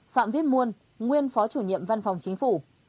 phạm viết muôn nguyên phó chủ nhiệm văn phòng chính phủ